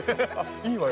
◆いいわよ？